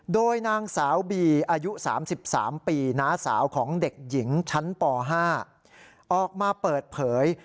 โดยนางสาวบีอายุ๓๓ปีน้าสาวของเด็กหญิงชั้นป๕ออกมาเปิดเผย